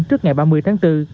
trước ngày ba mươi tháng bốn